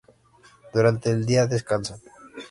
Durante el día descansan.